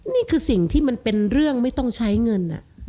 นี่คือสิ่งที่มันเป็นเรื่องไม่ต้องใช้เงิน